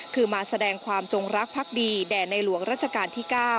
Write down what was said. คือมาแสดงความจงรักภักดีแด่ในหลวงราชการที่๙